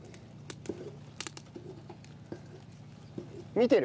見てる。